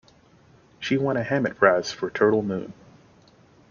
She won a Hammett Prize for "Turtle Moon".